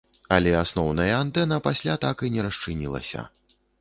Але асноўная антэна пасля так і не расчынілася.